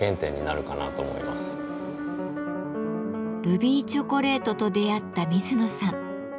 ルビーチョコレートと出会った水野さん。